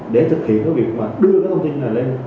để thực hiện cái việc mà đưa cái thông tin này lên